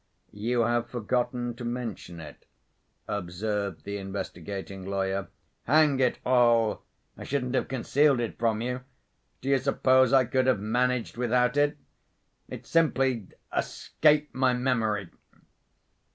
"You have forgotten to mention it," observed the investigating lawyer. "Hang it all, I shouldn't have concealed it from you. Do you suppose I could have managed without it? It simply escaped my memory."